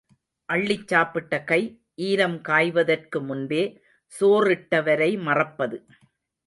அள்ளிச் சாப்பிட்ட கை, ஈரம் காய்வதற்கு முன்பே சோறிட்டவரை மறப்பது.